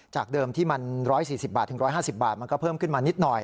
จากเดิมที่มัน๑๔๐บาทถึง๑๕๐บาทมันก็เพิ่มขึ้นมานิดหน่อย